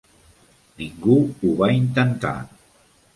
Ningú ho va intentar.